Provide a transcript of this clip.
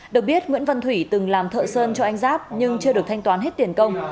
được biết nguyễn văn thủy từng làm thợ sơn cho anh giáp nhưng chưa được thanh toán hết tiền công